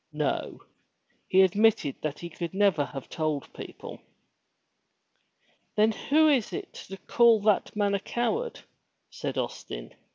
No! He admitted that he could never have told people. "Then who is to call that man a coward?" said Austin.